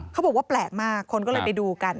เขาบอกว่าแปลกมากคนก็เลยไปดูกัน